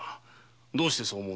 どうしてそう思う？